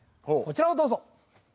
こちらをどうぞ！